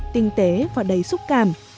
tinh tế và đầy xúc cảm